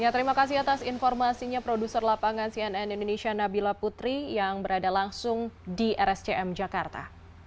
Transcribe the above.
terima kasih atas informasinya produser lapangan cnn indonesia nabila putri yang berada langsung di rscm jakarta